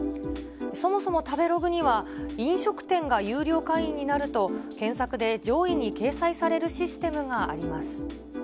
そもそも食べログには、飲食店が有料会員になると、検索で上位に掲載されるシステムがあります。